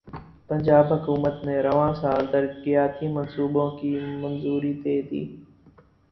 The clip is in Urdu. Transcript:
پنجاب حکومت نے رواں سال ترقیاتی منصوبوں کی منظوری دیدی